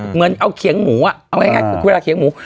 เหมือนเอาเขียงหมูอ่ะเอาง่ายคือเวลาเขียงหมู